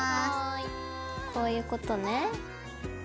こういうことね。